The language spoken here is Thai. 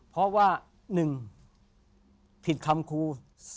เพราะว่า๑ผิดคำครู